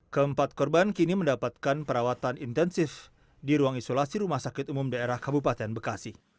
keempat korban kini mendapatkan perawatan intensif di ruang isolasi rumah sakit umum daerah kabupaten bekasi